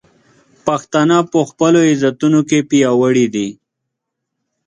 پښتانه په خپلو عزتونو کې پیاوړي دي.